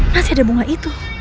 masih ada bunga itu